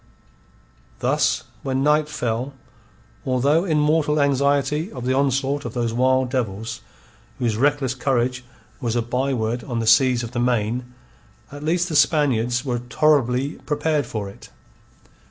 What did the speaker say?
Thus, when night fell, although in mortal anxiety of the onslaught of those wild devils whose reckless courage was a byword on the seas of the Main, at least the Spaniards were tolerably prepared for it.